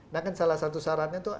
nah kan salah satu syaratnya itu